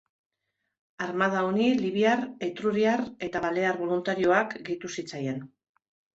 Armada honi libiar, etruriar eta balear boluntarioak gehitu zitzaien.